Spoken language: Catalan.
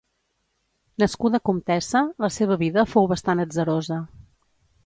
Nascuda comtessa, la seva vida fou bastant atzarosa.